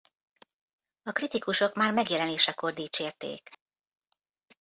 A kritikusok már megjelenésekor dicsérték.